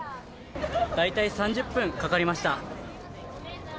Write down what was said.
大体３０分かかりました。